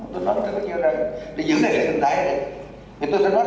tôi nói rất nhiều đây để giữ lại đại dân đại này